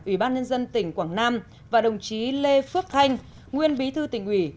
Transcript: ubnd tỉnh quảng nam và đồng chí lê phước thanh nguyên bí thư tỉnh ủy